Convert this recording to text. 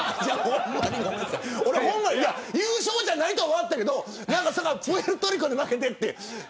優勝じゃないとは思ったけどプエルトリコに負けてって。